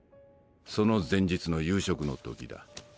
その前日の夕食の時だ。